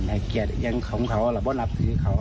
นี่ของเขาว่าจะหนับทิวที่เขา